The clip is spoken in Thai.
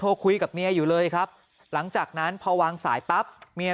คุยกับเมียอยู่เลยครับหลังจากนั้นพอวางสายปั๊บเมีย